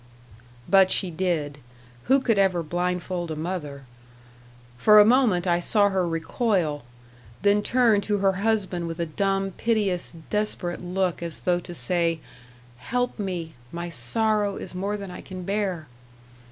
But she did who could ever blindfold a mother? For a moment I saw her recoil then turn to her husband with a dumb, piteous, desperate look, as though to say, "Help me my sorrow is more than I can bear!"